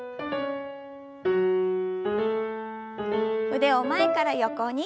腕を前から横に。